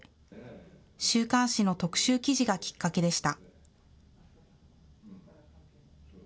週刊誌の特集記事がきっかけでした。